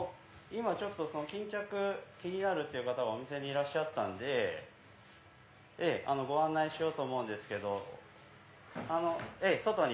今巾着気になるっていう方がお店にいらっしゃったんでご案内しようと思うんですけど外に。